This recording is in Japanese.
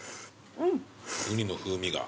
ウニの風味が。